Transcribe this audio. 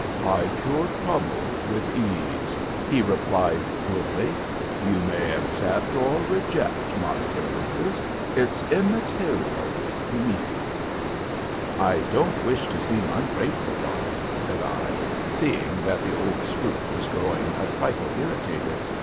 "I cure trouble with ease," he replied glibly. "You may accept or reject my services. It's immaterial to me." "I don't wish to seem ungrateful, Doctor," said I, seeing that the old spook was growing a trifle irritated.